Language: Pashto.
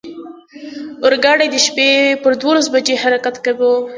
اورګاډی د شپې پر دولس بجې حرکت کاوه.